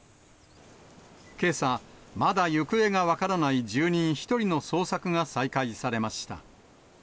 けさ、まだ行方が分からない住人１人の捜索が再開されました。